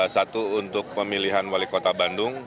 satu untuk pemilihan wali kota bandung